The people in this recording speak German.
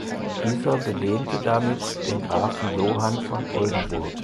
Dieser belehnte damit den Grafen Johann von Oldenburg.